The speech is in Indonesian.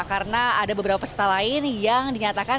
karena ada beberapa peserta lain yang dinyatakan